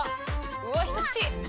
うわっ一口！